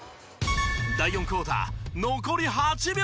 第４クオーター残り８秒！